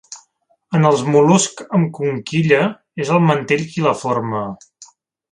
En els mol·luscs amb conquilla és el mantell qui la forma.